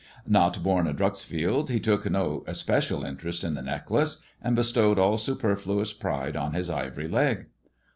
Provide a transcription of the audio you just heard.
Not born a Dreuxfield, he took no especial interest in the necklace, and bestowed all superfluous pride on his ivory leg.